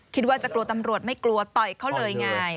คิดว่าจะกลัวตำรวจไม่กลัวต่อยเขาเลยไง